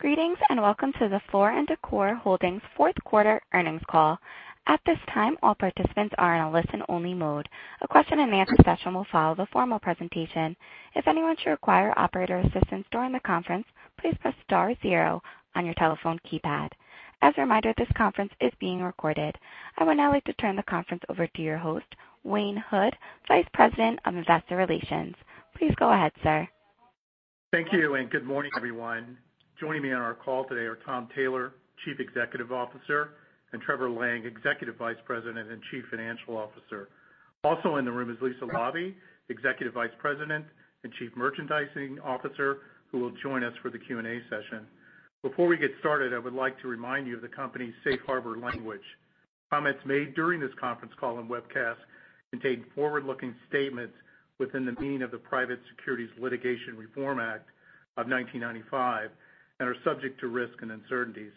Greetings, and welcome to the Floor & Decor Holdings Fourth Quarter Earnings Call. At this time, all participants are in a listen-only mode. A question and answer session will follow the formal presentation. If anyone should require operator assistance during the conference, please press star zero on your telephone keypad. As a reminder, this conference is being recorded. I would now like to turn the conference over to your host, Wayne Hood, Vice President of Investor Relations. Please go ahead, sir. Thank you, and good morning, everyone. Joining me on our call today are Tom Taylor, Chief Executive Officer, and Trevor Lang, Executive Vice President and Chief Financial Officer. Also in the room is Lisa Laube, Executive Vice President and Chief Merchandising Officer, who will join us for the Q&A session. Before we get started, I would like to remind you of the company's safe harbor language. Comments made during this conference call and webcast contain forward-looking statements within the meaning of the Private Securities Litigation Reform Act of 1995 and are subject to risk and uncertainties.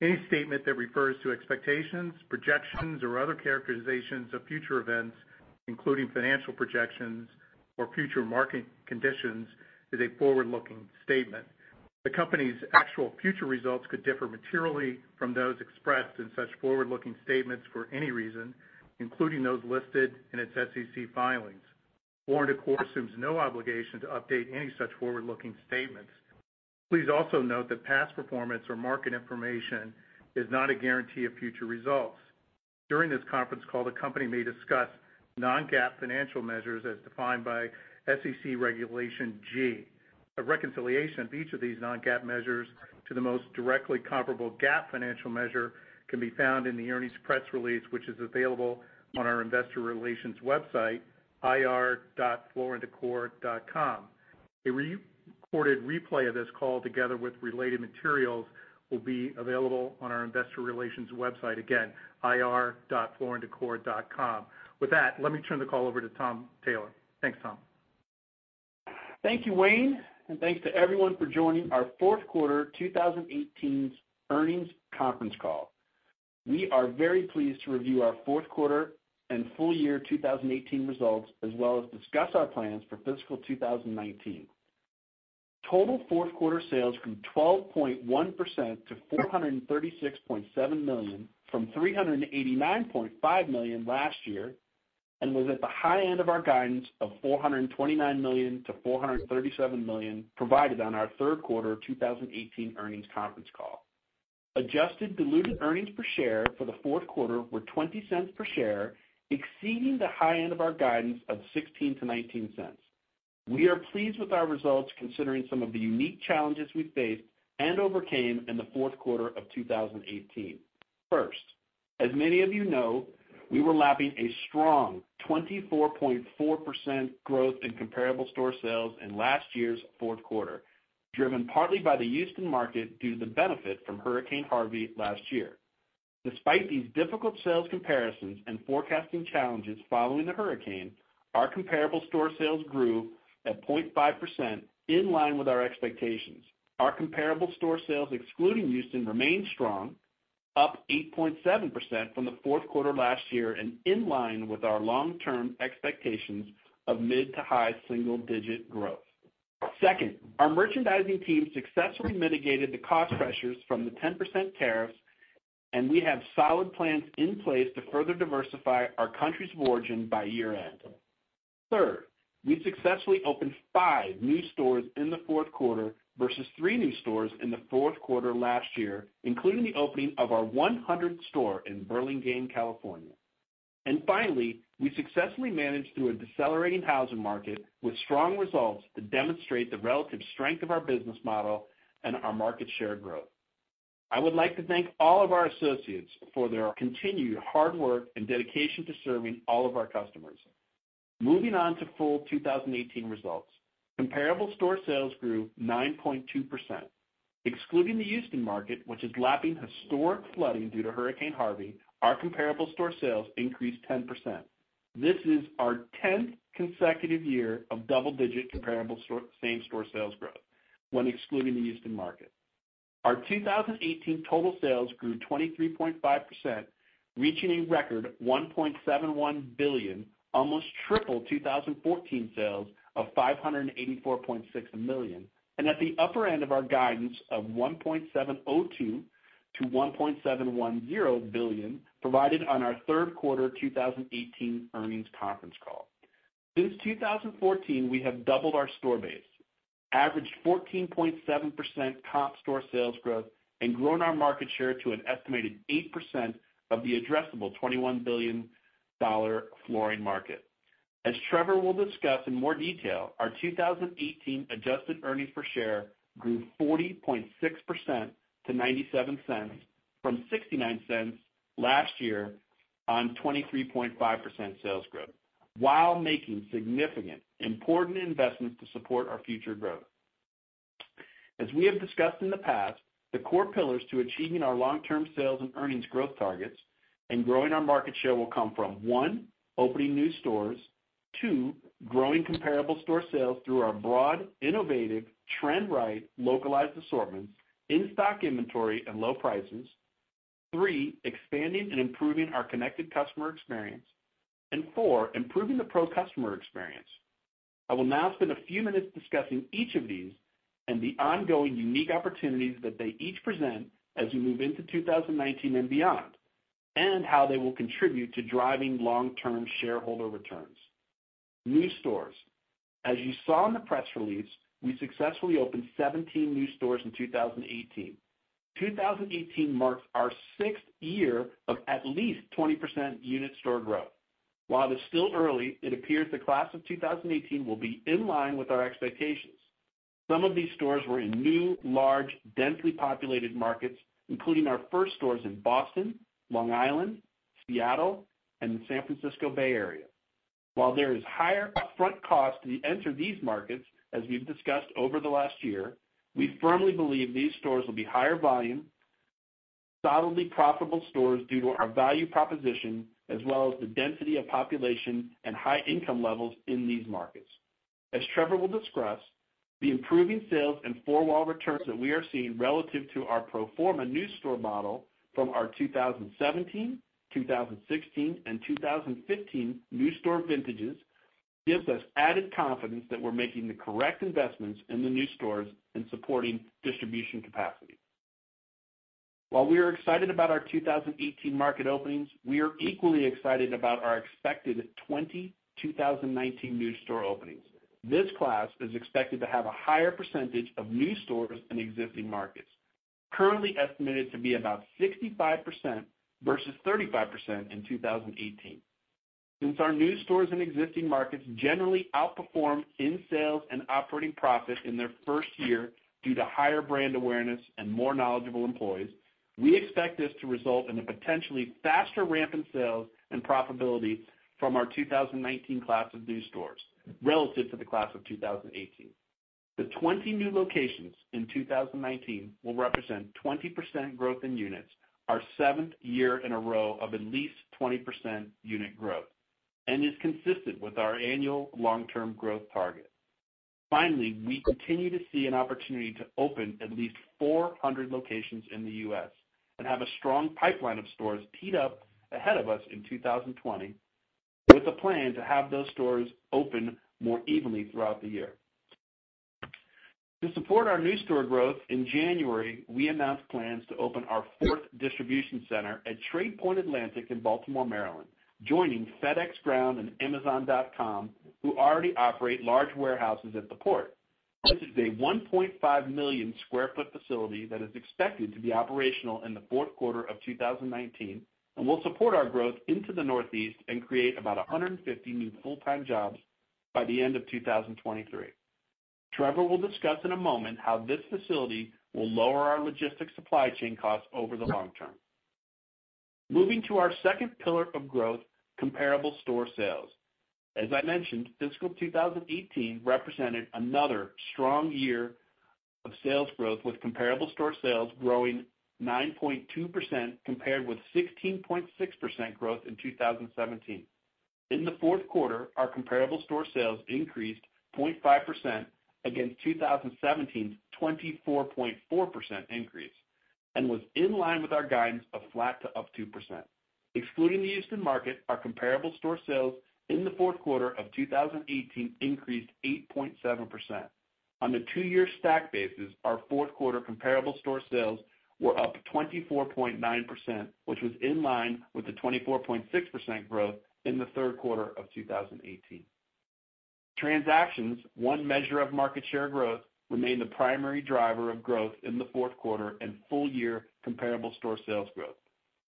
Any statement that refers to expectations, projections, or other characterizations of future events, including financial projections or future market conditions, is a forward-looking statement. The company's actual future results could differ materially from those expressed in such forward-looking statements for any reason, including those listed in its SEC filings. Floor & Decor assumes no obligation to update any such forward-looking statements. Please also note that past performance or market information is not a guarantee of future results. During this conference call, the company may discuss non-GAAP financial measures as defined by SEC Regulation G. A reconciliation of each of these non-GAAP measures to the most directly comparable GAAP financial measure can be found in the earnings press release, which is available on our investor relations website, ir.flooranddecor.com. A recorded replay of this call, together with related materials, will be available on our investor relations website. Again, ir.flooranddecor.com. With that, let me turn the call over to Tom Taylor. Thanks, Tom. Thank you, Wayne, and thanks to everyone for joining our fourth quarter 2018 earnings conference call. We are very pleased to review our fourth quarter and full year 2018 results, as well as discuss our plans for fiscal 2019. Total fourth quarter sales grew 12.1% to $436.7 million from $389.5 million last year and was at the high end of our guidance of $429 million to $437 million provided on our third quarter 2018 earnings conference call. Adjusted diluted earnings per share for the fourth quarter were $0.20 per share, exceeding the high end of our guidance of $0.16 to $0.19. We are pleased with our results, considering some of the unique challenges we faced and overcame in the fourth quarter of 2018. First, as many of you know, we were lapping a strong 24.4% growth in comparable store sales in last year's fourth quarter, driven partly by the Houston market due to the benefit from Hurricane Harvey last year. Despite these difficult sales comparisons and forecasting challenges following the hurricane, our comparable store sales grew at 0.5%, in line with our expectations. Our comparable store sales, excluding Houston, remained strong, up 8.7% from the fourth quarter last year and in line with our long-term expectations of mid to high single-digit growth. Second, our merchandising team successfully mitigated the cost pressures from the 10% tariff, and we have solid plans in place to further diversify our countries of origin by year-end. Third, we successfully opened five new stores in the fourth quarter versus three new stores in the fourth quarter last year, including the opening of our 100th store in Burlingame, California. Finally, we successfully managed through a decelerating housing market with strong results that demonstrate the relative strength of our business model and our market share growth. I would like to thank all of our associates for their continued hard work and dedication to serving all of our customers. Moving on to full 2018 results. Comparable store sales grew 9.2%. Excluding the Houston market, which is lapping historic flooding due to Hurricane Harvey, our comparable store sales increased 10%. This is our 10th consecutive year of double-digit comparable same-store sales growth when excluding the Houston market. Our 2018 total sales grew 23.5%, reaching a record $1.71 billion, almost triple 2014 sales of $584.6 million and at the upper end of our guidance of $1.702 billion-$1.710 billion provided on our third quarter 2018 earnings conference call. Since 2014, we have doubled our store base, averaged 14.7% comp store sales growth, and grown our market share to an estimated 8% of the addressable $21 billion flooring market. As Trevor will discuss in more detail, our 2018 adjusted earnings per share grew 40.6% to $0.97 from $0.69 last year on 23.5% sales growth while making significant important investments to support our future growth. As we have discussed in the past, the core pillars to achieving our long-term sales and earnings growth targets and growing our market share will come from, one, opening new stores. Two, growing comparable store sales through our broad, innovative, trend-right, localized assortments, in-stock inventory, and low prices. Three, expanding and improving our connected customer experience. Four, improving the PRO customer experience. I will now spend a few minutes discussing each of these and the ongoing unique opportunities that they each present as we move into 2019 and beyond, and how they will contribute to driving long-term shareholder returns. New stores. As you saw in the press release, we successfully opened 17 new stores in 2018. 2018 marks our sixth year of at least 20% unit store growth. While it's still early, it appears the class of 2018 will be in line with our expectations. Some of these stores were in new, large, densely populated markets, including our first stores in Boston, Long Island, Seattle, and the San Francisco Bay Area. While there is higher upfront cost to enter these markets, as we've discussed over the last year, we firmly believe these stores will be higher volume, solidly profitable stores due to our value proposition as well as the density of population and high income levels in these markets. As Trevor will discuss, the improving sales and four-wall returns that we are seeing relative to our pro forma new store model from our 2017, 2016, and 2015 new store vintages gives us added confidence that we're making the correct investments in the new stores and supporting distribution capacity. While we are excited about our 2018 market openings, we are equally excited about our expected 20 2019 new store openings. This class is expected to have a higher percentage of new stores in existing markets, currently estimated to be about 65% versus 35% in 2018. Since our new stores in existing markets generally outperform in sales and operating profit in their first year due to higher brand awareness and more knowledgeable employees, we expect this to result in a potentially faster ramp in sales and profitability from our 2019 class of new stores relative to the class of 2018. The 20 new locations in 2019 will represent 20% growth in units, our seventh year in a row of at least 20% unit growth, and is consistent with our annual long-term growth target. Finally, we continue to see an opportunity to open at least 400 locations in the U.S. and have a strong pipeline of stores teed up ahead of us in 2020 with a plan to have those stores open more evenly throughout the year. To support our new store growth, in January, we announced plans to open our fourth distribution center at Tradepoint Atlantic in Baltimore, Maryland, joining FedEx Ground and amazon.com, who already operate large warehouses at the port. This is a 1.5 million sq ft facility that is expected to be operational in the fourth quarter of 2019 and will support our growth into the Northeast and create about 150 new full-time jobs by the end of 2023. Trevor will discuss in a moment how this facility will lower our logistics supply chain costs over the long term. Moving to our second pillar of growth, comparable store sales. As I mentioned, fiscal 2018 represented another strong year of sales growth with comparable store sales growing 9.2% compared with 16.6% growth in 2017. In the fourth quarter, our comparable store sales increased 0.5% against 2017's 24.4% increase and was in line with our guidance of flat to up 2%. Excluding the Houston market, our comparable store sales in the fourth quarter of 2018 increased 8.7%. On a two-year stack basis, our fourth-quarter comparable store sales were up 24.9%, which was in line with the 24.6% growth in the third quarter of 2018. Transactions, one measure of market share growth, remained the primary driver of growth in the fourth quarter and full-year comparable store sales growth.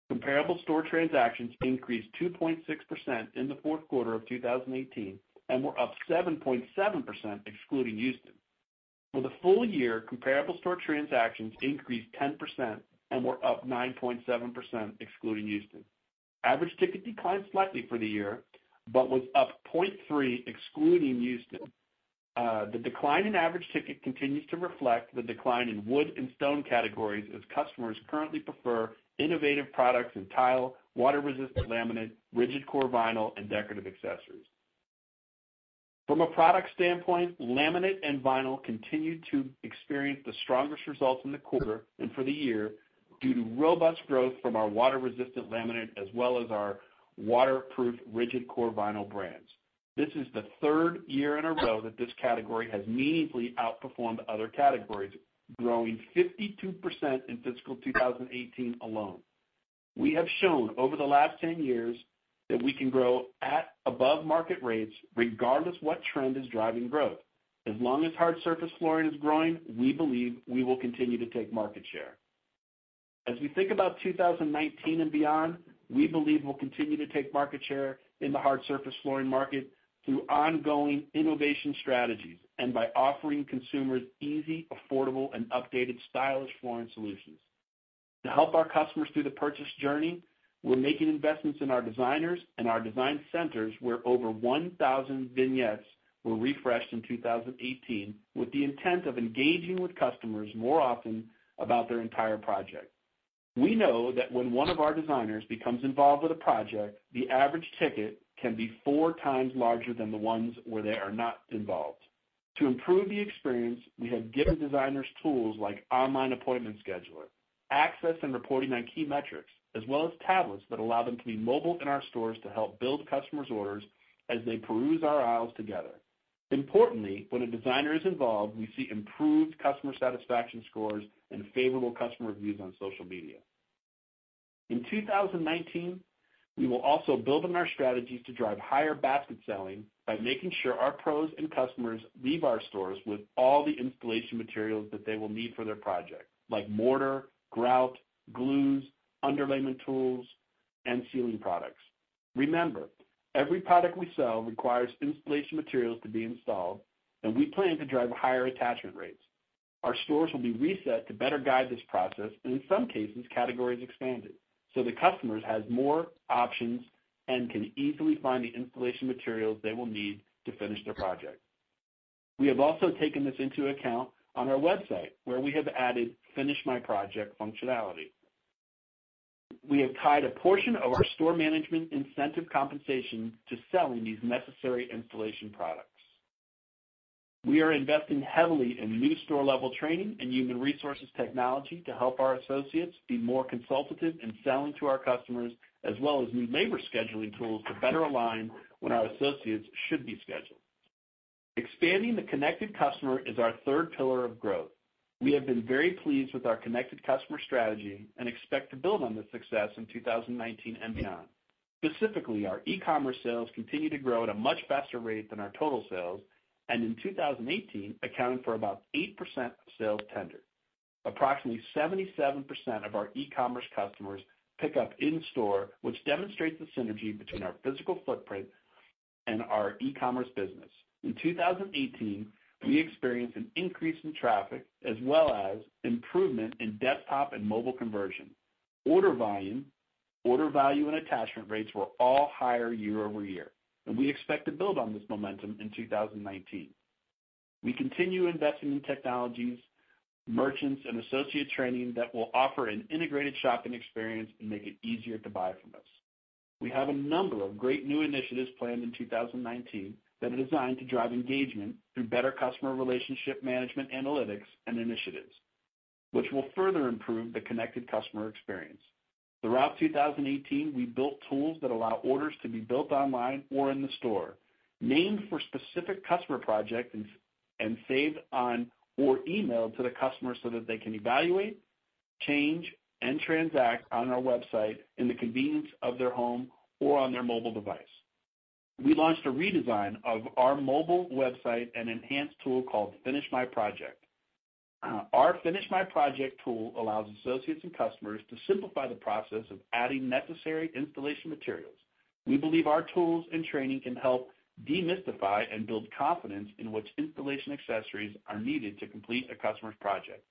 Comparable store transactions increased 2.6% in the fourth quarter of 2018 and were up 7.7% excluding Houston. For the full year, comparable store transactions increased 10% and were up 9.7% excluding Houston. Average ticket declined slightly for the year but was up 0.3% excluding Houston. The decline in average ticket continues to reflect the decline in wood and stone categories as customers currently prefer innovative products in tile, water-resistant laminate, rigid core vinyl, and decorative accessories. From a product standpoint, laminate and vinyl continued to experience the strongest results in the quarter and for the year due to robust growth from our water-resistant laminate as well as our waterproof rigid core vinyl brands. This is the third year in a row that this category has meaningfully outperformed other categories, growing 52% in fiscal 2018 alone. We have shown over the last 10 years that we can grow at above-market rates regardless what trend is driving growth. As long as hard surface flooring is growing, we believe we will continue to take market share. As we think about 2019 and beyond, we believe we'll continue to take market share in the hard surface flooring market through ongoing innovation strategies and by offering consumers easy, affordable, and updated stylish flooring solutions. To help our customers through the purchase journey, we're making investments in our designers and our design centers, where over 1,000 vignettes were refreshed in 2018 with the intent of engaging with customers more often about their entire project. We know that when one of our designers becomes involved with a project, the average ticket can be four times larger than the ones where they are not involved. To improve the experience, we have given designers tools like online appointment scheduler, access and reporting on key metrics, as well as tablets that allow them to be mobile in our stores to help build customers' orders as they peruse our aisles together. Importantly, when a designer is involved, we see improved customer satisfaction scores and favorable customer reviews on social media. In 2019, we will also build on our strategies to drive higher basket selling by making sure our pros and customers leave our stores with all the installation materials that they will need for their project, like mortar, grout, glues, underlayment tools, and sealing products. Remember, every product we sell requires installation materials to be installed, and we plan to drive higher attachment rates. Our stores will be reset to better guide this process, and in some cases, categories expanded, so the customers have more options and can easily find the installation materials they will need to finish their project. We have also taken this into account on our website, where we have added Finish My Project functionality. We have tied a portion of our store management incentive compensation to selling these necessary installation products. We are investing heavily in new store-level training and human resources technology to help our associates be more consultative in selling to our customers, as well as new labor scheduling tools to better align when our associates should be scheduled. Expanding the connected customer is our third pillar of growth. We have been very pleased with our connected customer strategy and expect to build on this success in 2019 and beyond. Specifically, our e-commerce sales continue to grow at a much faster rate than our total sales, and in 2018, accounted for about 8% of sales tendered. Approximately 77% of our e-commerce customers pick up in-store, which demonstrates the synergy between our physical footprint and our e-commerce business. In 2018, we experienced an increase in traffic as well as improvement in desktop and mobile conversion. Order volume, order value, and attachment rates were all higher year-over-year, and we expect to build on this momentum in 2019. We continue investing in technologies, merchants, and associate training that will offer an integrated shopping experience and make it easier to buy from us. We have a number of great new initiatives planned in 2019 that are designed to drive engagement through better customer relationship management analytics and initiatives, which will further improve the connected customer experience. Throughout 2018, we built tools that allow orders to be built online or in the store, named for specific customer projects, and saved on or emailed to the customer so that they can evaluate, change, and transact on our website in the convenience of their home or on their mobile device. We launched a redesign of our mobile website and enhanced tool called Finish My Project. Our Finish My Project tool allows associates and customers to simplify the process of adding necessary installation materials. We believe our tools and training can help demystify and build confidence in which installation accessories are needed to complete a customer's project.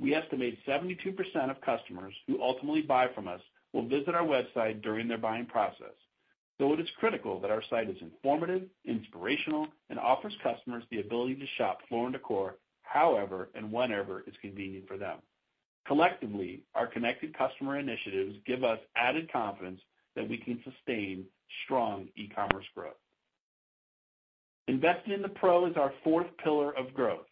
We estimate 72% of customers who ultimately buy from us will visit our website during their buying process. It is critical that our site is informative, inspirational, and offers customers the ability to shop Floor & Decor however and whenever it's convenient for them. Collectively, our connected customer initiatives give us added confidence that we can sustain strong e-commerce growth. Investing in the pro is our fourth pillar of growth.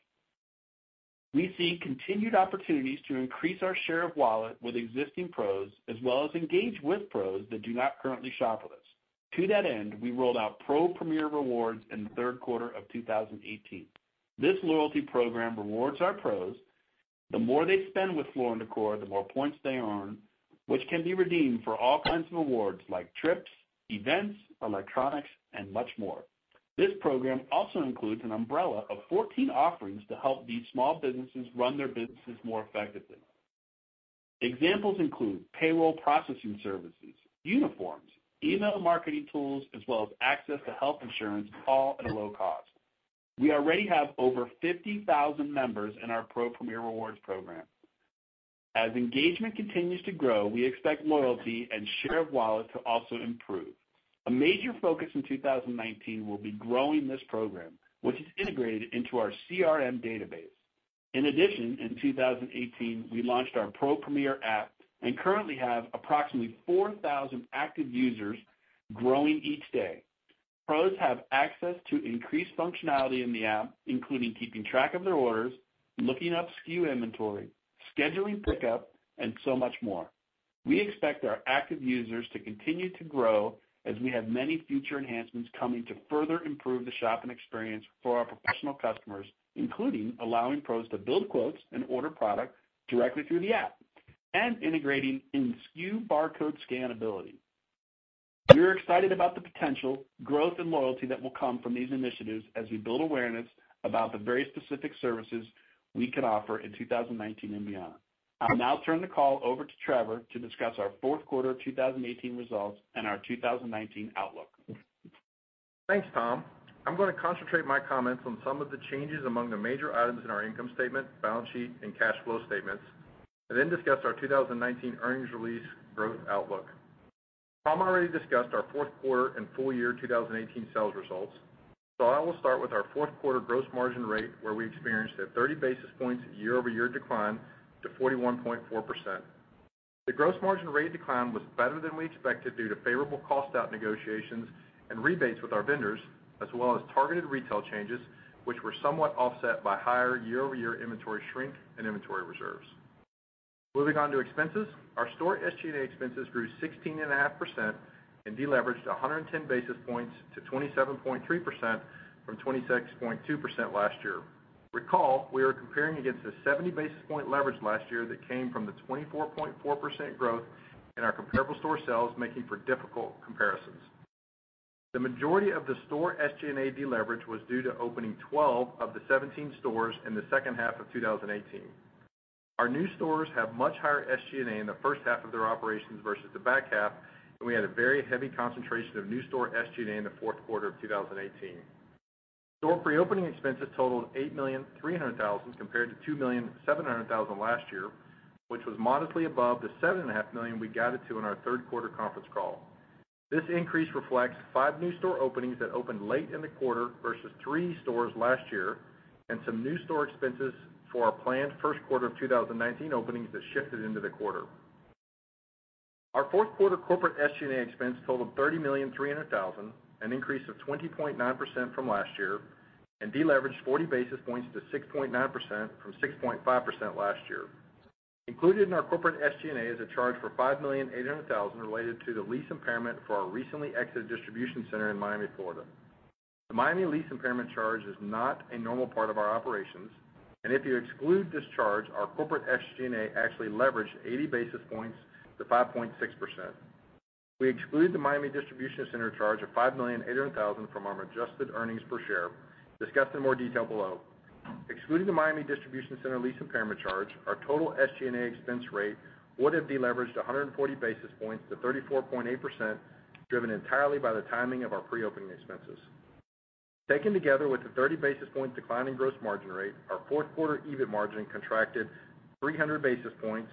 We see continued opportunities to increase our share of wallet with existing pros, as well as engage with pros that do not currently shop with us. To that end, we rolled out PRO Premier Rewards in the third quarter of 2018. This loyalty program rewards our pros. The more they spend with Floor & Decor, the more points they earn, which can be redeemed for all kinds of rewards like trips, events, electronics, and much more. This program also includes an umbrella of 14 offerings to help these small businesses run their businesses more effectively. Examples include payroll processing services, uniforms, email marketing tools, as well as access to health insurance, all at a low cost. We already have over 50,000 members in our PRO Premier Rewards program. As engagement continues to grow, we expect loyalty and share of wallet to also improve. A major focus in 2019 will be growing this program, which is integrated into our CRM database. In addition, in 2018, we launched our PRO Premier app and currently have approximately 4,000 active users growing each day. Pros have access to increased functionality in the app, including keeping track of their orders, looking up SKU inventory, scheduling pickup, and so much more. We expect our active users to continue to grow as we have many future enhancements coming to further improve the shopping experience for our professional customers, including allowing pros to build quotes and order product directly through the app and integrating in-SKU barcode scannability. We're excited about the potential growth and loyalty that will come from these initiatives as we build awareness about the very specific services we can offer in 2019 and beyond. I'll now turn the call over to Trevor to discuss our fourth quarter 2018 results and our 2019 outlook. Thanks, Tom. I'm going to concentrate my comments on some of the changes among the major items in our income statement, balance sheet, and cash flow statements, then discuss our 2019 earnings release growth outlook. Tom already discussed our fourth quarter and full year 2018 sales results, so I will start with our fourth quarter gross margin rate, where we experienced a 30 basis points year-over-year decline to 41.4%. The gross margin rate decline was better than we expected due to favorable cost out negotiations and rebates with our vendors, as well as targeted retail changes, which were somewhat offset by higher year-over-year inventory shrink and inventory reserves. Moving on to expenses. Our store SG&A expenses grew 16.5% and deleveraged 110 basis points to 27.3% from 26.2% last year. Recall, we are comparing against a 70 basis point leverage last year that came from the 24.4% growth in our comparable store sales, making for difficult comparisons. The majority of the store SG&A deleverage was due to opening 12 of the 17 stores in the second half of 2018. Our new stores have much higher SG&A in the first half of their operations versus the back half, and we had a very heavy concentration of new store SG&A in the fourth quarter of 2018. Store pre-opening expenses totaled $8.3 million compared to $2.7 million last year, which was modestly above the $7.5 million we guided to in our third quarter conference call. This increase reflects five new store openings that opened late in the quarter versus three stores last year, and some new store expenses for our planned first quarter of 2019 openings that shifted into the quarter. Our fourth quarter corporate SG&A expense totaled $30.3 million, an increase of 20.9% from last year, and deleveraged 40 basis points to 6.9% from 6.5% last year. Included in our corporate SG&A is a charge for $5.8 million related to the lease impairment for our recently exited distribution center in Miami, Florida. The Miami lease impairment charge is not a normal part of our operations, and if you exclude this charge, our corporate SG&A actually leveraged 80 basis points to 5.6%. We exclude the Miami distribution center charge of $5.8 million from our adjusted earnings per share, discussed in more detail below. Excluding the Miami distribution center lease impairment charge, our total SG&A expense rate would have deleveraged 140 basis points to 34.8%, driven entirely by the timing of our pre-opening expenses. Taken together with the 30 basis point decline in gross margin rate, our fourth quarter EBIT margin contracted 300 basis points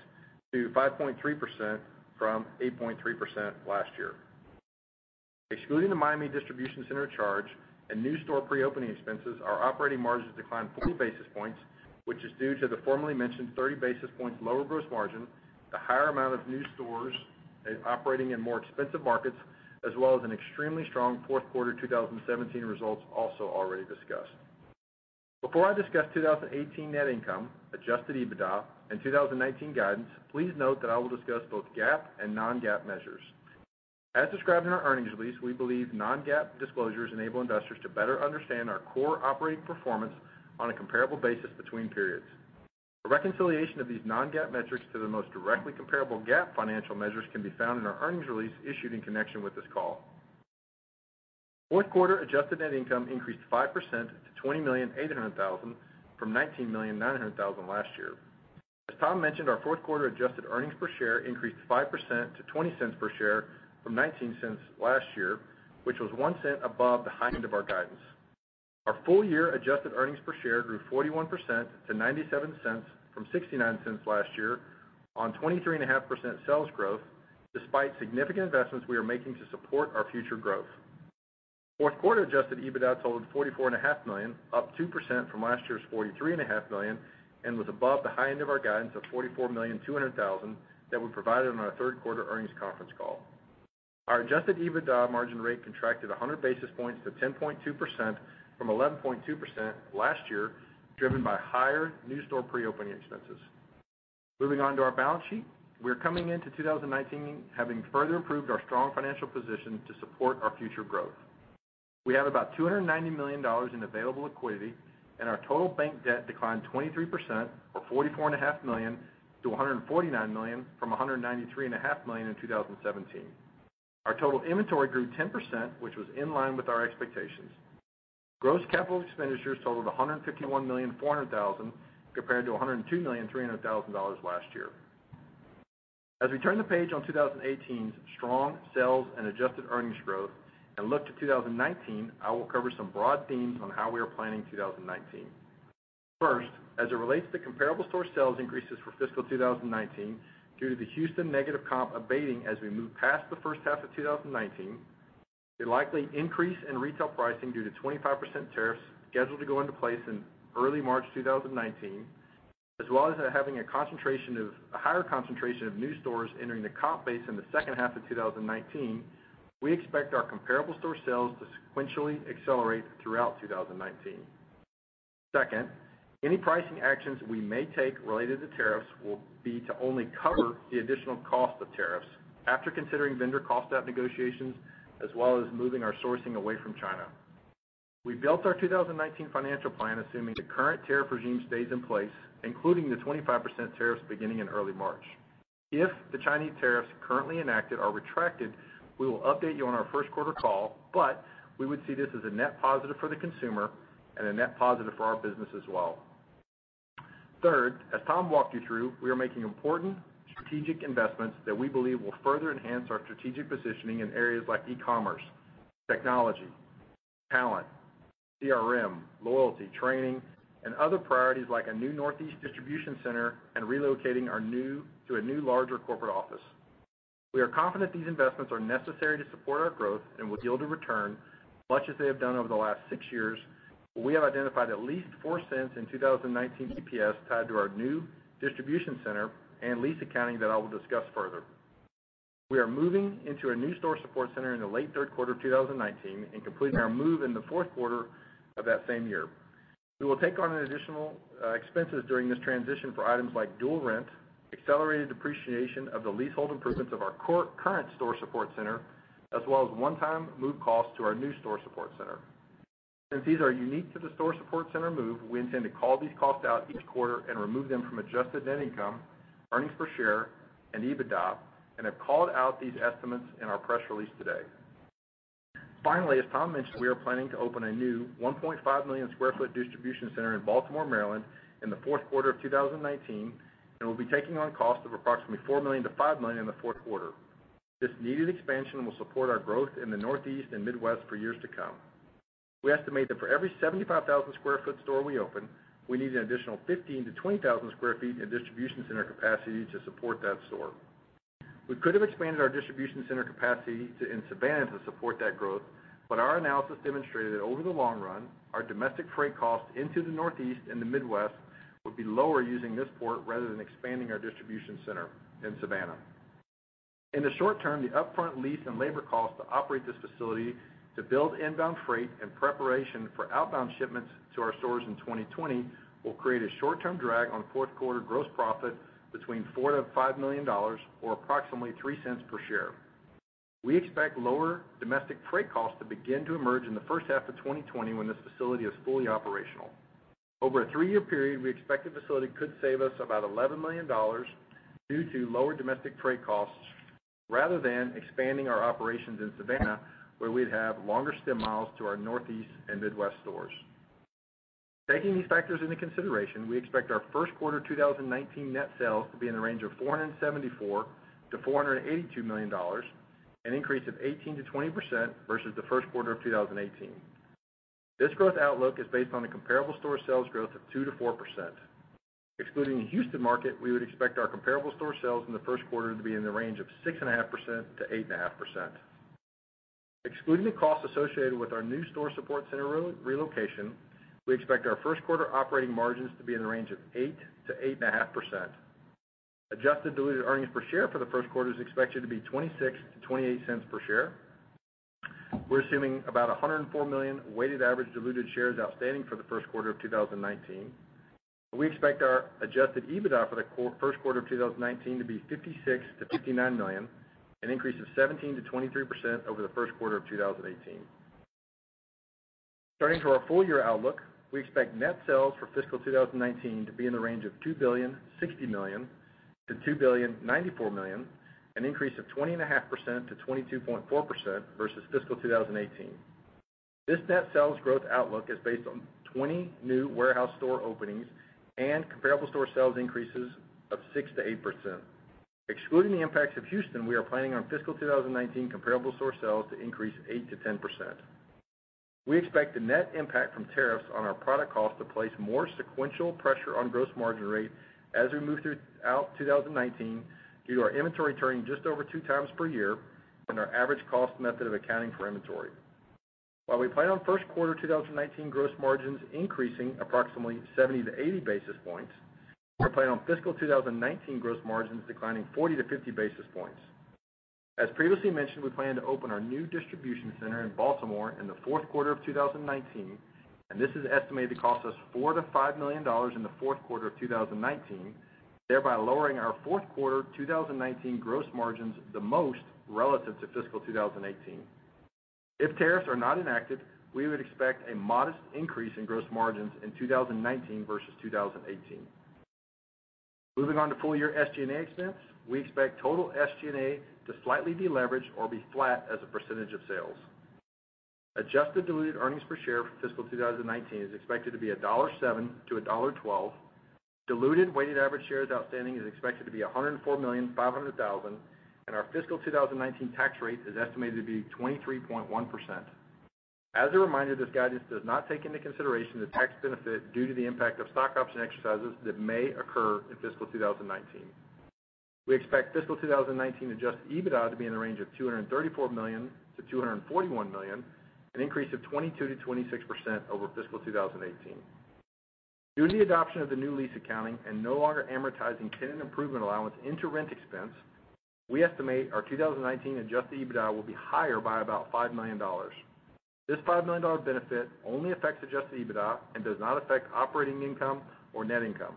to 5.3% from 8.3% last year. Excluding the Miami distribution center charge and new store pre-opening expenses, our operating margins declined 40 basis points, which is due to the formerly mentioned 30 basis points lower gross margin, the higher amount of new stores operating in more expensive markets, as well as an extremely strong fourth quarter 2017 results also already discussed. Before I discuss 2018 net income, adjusted EBITDA and 2019 guidance, please note that I will discuss both GAAP and non-GAAP measures. As described in our earnings release, we believe non-GAAP disclosures enable investors to better understand our core operating performance on a comparable basis between periods. A reconciliation of these non-GAAP metrics to the most directly comparable GAAP financial measures can be found in our earnings release issued in connection with this call. Fourth quarter adjusted net income increased 5% to $20,800,000 from $19,900,000 last year. As Tom mentioned, our fourth quarter adjusted earnings per share increased 5% to $0.20 per share from $0.19 last year, which was $0.01 above the high end of our guidance. Our full year adjusted earnings per share grew 41% to $0.97 from $0.69 last year on 23.5% sales growth, despite significant investments we are making to support our future growth. Fourth quarter adjusted EBITDA totaled $44.5 million, up 2% from last year's $43.5 million, and was above the high end of our guidance of $44,200,000 that we provided on our third quarter earnings conference call. Our adjusted EBITDA margin rate contracted 100 basis points to 10.2% from 11.2% last year, driven by higher new store pre-opening expenses. Moving on to our balance sheet. We're coming into 2019 having further improved our strong financial position to support our future growth. We have about $290 million in available liquidity, and our total bank debt declined 23% or $44.5 million to $149 million from $193.5 million in 2017. Our total inventory grew 10%, which was in line with our expectations. Gross capital expenditures totaled $151,400,000 compared to $102,300,000 last year. As we turn the page on 2018's strong sales and adjusted earnings growth and look to 2019, I will cover some broad themes on how we are planning 2019. First, as it relates to comparable store sales increases for fiscal 2019, due to the Houston negative comp abating as we move past the first half of 2019, the likely increase in retail pricing due to 25% tariffs scheduled to go into place in early March 2019, as well as having a higher concentration of new stores entering the comp base in the second half of 2019, we expect our comparable store sales to sequentially accelerate throughout 2019. Second, any pricing actions we may take related to tariffs will be to only cover the additional cost of tariffs. After considering vendor cost out negotiations, as well as moving our sourcing away from China. We built our 2019 financial plan assuming the current tariff regime stays in place, including the 25% tariffs beginning in early March. If the Chinese tariffs currently enacted are retracted, we will update you on our first quarter call. We would see this as a net positive for the consumer and a net positive for our business as well. Third, as Tom walked you through, we are making important strategic investments that we believe will further enhance our strategic positioning in areas like e-commerce, technology, talent, CRM, loyalty, training, and other priorities like a new Northeast distribution center and relocating to a new, larger corporate office. We are confident these investments are necessary to support our growth and will yield a return, much as they have done over the last six years. We have identified at least $0.04 in 2019 EPS tied to our new distribution center and lease accounting that I will discuss further. We are moving into a new store support center in the late third quarter of 2019 and completing our move in the fourth quarter of that same year. We will take on additional expenses during this transition for items like dual rent, accelerated depreciation of the leasehold improvements of our current store support center, as well as one-time move costs to our new store support center. Since these are unique to the store support center move, we intend to call these costs out each quarter and remove them from adjusted net income, earnings per share, and EBITDA, and have called out these estimates in our press release today. Finally, as Tom mentioned, we are planning to open a new 1.5-million-square-foot distribution center in Baltimore, Maryland in the fourth quarter of 2019, and will be taking on costs of approximately $4 million-$5 million in the fourth quarter. This needed expansion will support our growth in the Northeast and Midwest for years to come. We estimate that for every 75,000 sq ft store we open, we need an additional 15,000-20,000 sq ft in distribution center capacity to support that store. Our analysis demonstrated that over the long run, our domestic freight costs into the Northeast and the Midwest would be lower using this port rather than expanding our distribution center in Savannah. In the short term, the upfront lease and labor costs to operate this facility to build inbound freight and preparation for outbound shipments to our stores in 2020 will create a short-term drag on fourth-quarter gross profit between $4 million-$5 million, or approximately $0.03 per share. We expect lower domestic freight costs to begin to emerge in the first half of 2020 when this facility is fully operational. Over a three-year period, we expect the facility could save us about $11 million due to lower domestic freight costs rather than expanding our operations in Savannah, where we'd have longer stem miles to our Northeast and Midwest stores. Taking these factors into consideration, we expect our first quarter 2019 net sales to be in the range of $474 million-$482 million, an increase of 18%-20% versus the first quarter of 2018. This growth outlook is based on a comparable store sales growth of 2%-4%. Excluding the Houston market, we would expect our comparable store sales in the first quarter to be in the range of 6.5%-8.5%. Excluding the costs associated with our new store support center relocation, we expect our first quarter operating margins to be in the range of 8%-8.5%. Adjusted diluted earnings per share for the first quarter is expected to be $0.26-$0.28 per share. We are assuming about 104 million weighted average diluted shares outstanding for the first quarter of 2019. We expect our adjusted EBITDA for the first quarter of 2019 to be $56 million-$59 million, an increase of 17%-23% over the first quarter of 2018. Turning to our full-year outlook, we expect net sales for fiscal 2019 to be in the range of $2.06 billion-$2.094 billion, an increase of 20.5%-22.4% versus fiscal 2018. This net sales growth outlook is based on 20 new warehouse store openings and comparable store sales increases of 6%-8%. Excluding the impacts of Houston, we are planning on fiscal 2019 comparable store sales to increase 8%-10%. We expect the net impact from tariffs on our product costs to place more sequential pressure on gross margin rate as we move throughout 2019 due to our inventory turning just over two times per year and our average cost method of accounting for inventory. While we plan on first quarter 2019 gross margins increasing approximately 70-80 basis points, we are planning on fiscal 2019 gross margins declining 40-50 basis points. As previously mentioned, we plan to open our new distribution center in Baltimore in the fourth quarter of 2019. This is estimated to cost us $4 million-$5 million in the fourth quarter of 2019, thereby lowering our fourth-quarter 2019 gross margins the most relative to fiscal 2018. If tariffs are not enacted, we would expect a modest increase in gross margins in 2019 versus 2018. Moving on to full-year SG&A expense, we expect total SG&A to slightly de-leverage or be flat as a percentage of sales. Adjusted diluted earnings per share for fiscal 2019 is expected to be $1.07-$1.12. Diluted weighted average shares outstanding is expected to be 104,500,000, and our fiscal 2019 tax rate is estimated to be 23.1%. As a reminder, this guidance does not take into consideration the tax benefit due to the impact of stock option exercises that may occur in fiscal 2019. We expect fiscal 2019 adjusted EBITDA to be in the range of $234 million-$241 million, an increase of 22%-26% over fiscal 2018. Due to the adoption of the new lease accounting and no longer amortizing tenant improvement allowance into rent expense, we estimate our 2019 adjusted EBITDA will be higher by about $5 million. This $5 million benefit only affects adjusted EBITDA and does not affect operating income or net income.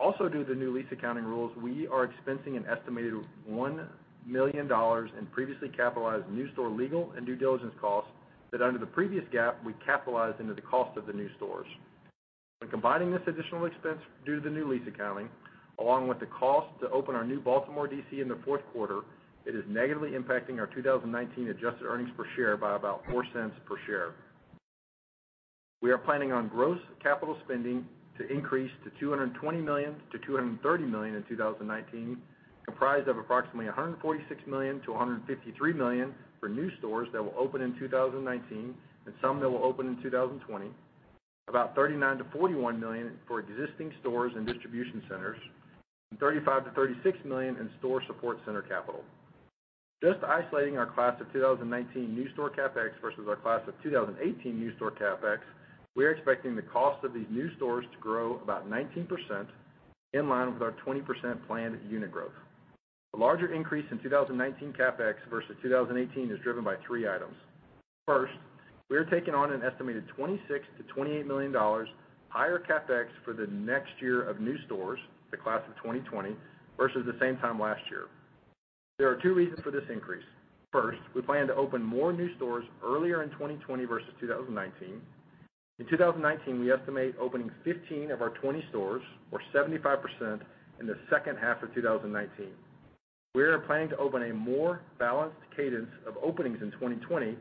Also due to the new lease accounting rules, we are expensing an estimated $1 million in previously capitalized new store legal and due diligence costs that under the previous GAAP, we capitalized into the cost of the new stores. When combining this additional expense due to the new lease accounting, along with the cost to open our new Baltimore DC in the fourth quarter, it is negatively impacting our 2019 adjusted earnings per share by about $0.04 per share. We are planning on gross capital spending to increase to $220 million-$230 million in 2019, comprised of approximately $146 million-$153 million for new stores that will open in 2019 and some that will open in 2020. About $39 million-$41 million for existing stores and distribution centers, and $35 million-$36 million in store support center capital. Just isolating our class of 2019 new store CapEx versus our class of 2018 new store CapEx, we are expecting the cost of these new stores to grow about 19%, in line with our 20% planned unit growth. The larger increase in 2019 CapEx versus 2018 is driven by three items. First, we are taking on an estimated $26 million-$28 million higher CapEx for the next year of new stores, the class of 2020, versus the same time last year. There are two reasons for this increase. First, we plan to open more new stores earlier in 2020 versus 2019. In 2019, we estimate opening 15 of our 20 stores, or 75%, in the second half of 2019. We are planning to open a more balanced cadence of openings in 2020.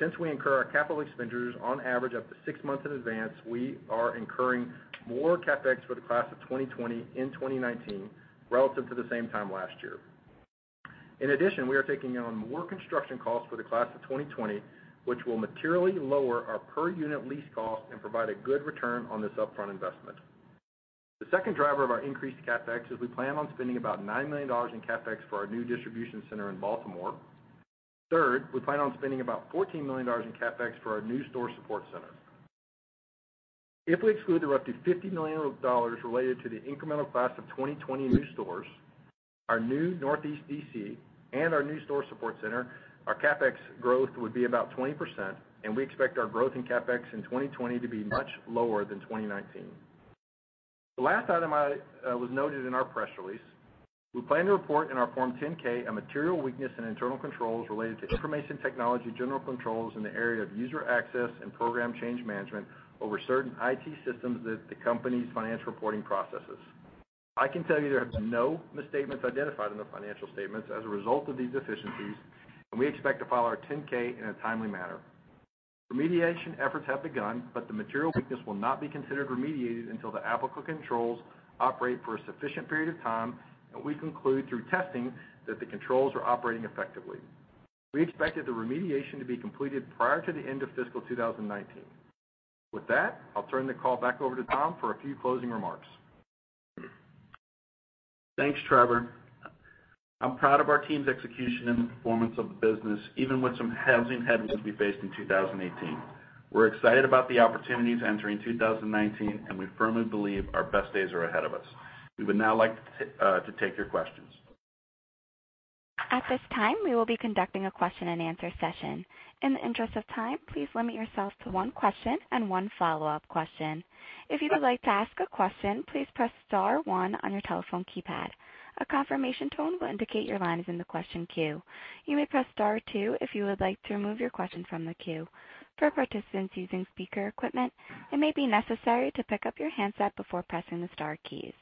Since we incur our capital expenditures on average up to six months in advance, we are incurring more CapEx for the class of 2020 in 2019 relative to the same time last year. In addition, we are taking on more construction costs for the class of 2020, which will materially lower our per-unit lease cost and provide a good return on this upfront investment. The second driver of our increased CapEx is we plan on spending about $9 million in CapEx for our new distribution center in Baltimore. Third, we plan on spending about $14 million in CapEx for our new store support center. If we exclude the up to $50 million related to the incremental class of 2020 new stores, our new Northeast DC, and our new store support center, our CapEx growth would be about 20%. We expect our growth in CapEx in 2020 to be much lower than 2019. The last item was noted in our press release. We plan to report in our Form 10-K a material weakness in internal controls related to information technology general controls in the area of user access and program change management over certain IT systems that the company's financial reporting processes. I can tell you there have been no misstatements identified in the financial statements as a result of these deficiencies. We expect to file our 10-K in a timely manner. Remediation efforts have begun, but the material weakness will not be considered remediated until the applicable controls operate for a sufficient period of time and we conclude through testing that the controls are operating effectively. We expect the remediation to be completed prior to the end of fiscal 2019. With that, I'll turn the call back over to Tom for a few closing remarks. Thanks, Trevor. I am proud of our team's execution and the performance of the business, even with some housing headwinds we faced in 2018. We are excited about the opportunities entering 2019, we firmly believe our best days are ahead of us. We would now like to take your questions. At this time, we will be conducting a question-and-answer session. In the interest of time, please limit yourself to one question and one follow-up question. If you would like to ask a question, please press star one on your telephone keypad. A confirmation tone will indicate your line is in the question queue. You may press star two if you would like to remove your question from the queue. For participants using speaker equipment, it may be necessary to pick up your handset before pressing the star keys.